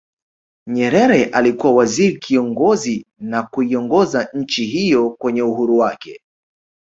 Nyerere alikuwa Waziri Kiongozi na kuiongoza nchi hiyo kwenye uhuru wake